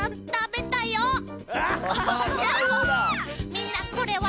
みんなこれは。